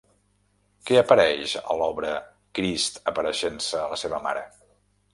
Què apareix a l'obra Crist apareixent-se a la seva Mare?